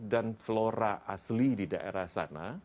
dan flora asli di daerah sana